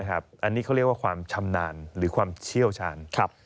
อันนี้เขาเรียกว่าความชำนาญหรือความเชี่ยวชาญ